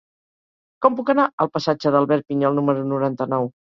Com puc anar al passatge d'Albert Pinyol número noranta-nou?